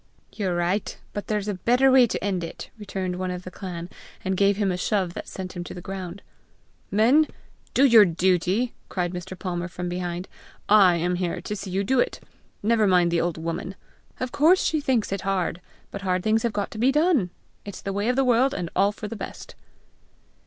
"You're right; but there's a better way to end it!" returned one of the clan, and gave him a shove that sent him to the ground. "Men, do your duty!" cried Mr. Palmer from behind. "I am here to see you do it! Never mind the old woman! Of course she thinks it hard; but hard things have got to be done! it's the way of the world, and all for the best."